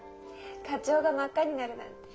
課長が真っ赤になるなんて。